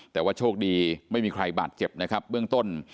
แต่ว่าโชคดีไม่มีใครบาดเจ็บนะครับเบื้องต้น